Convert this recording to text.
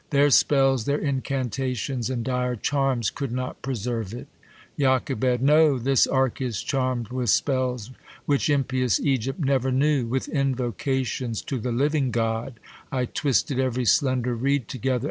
Their spells, their incantations, and dire charms Could not preserve it. Jock, Know, this ark is charm'd With spells, which impious flgypL never knew. ' VViih invocations to the living God, ^ 1 twisted every slender reed together.